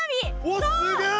おおすげえ！